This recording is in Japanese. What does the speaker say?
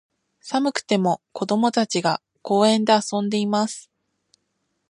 寒くても、子供たちが、公園で遊んでいます。